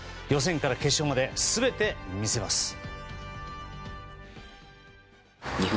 予選から決勝まで全て見せます。